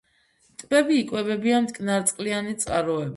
ტბები იკვებებიან მტკნარწყლიანი წყაროებით.